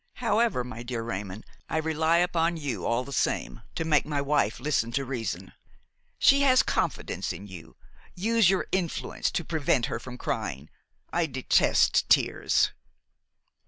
However, my dear Raymon, I rely upon you all the same to make my wife listen to reason. She has confidence in you; use your influence to prevent her from crying. I detest tears."